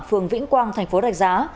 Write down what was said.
phường vĩnh quang thành phố rạch giá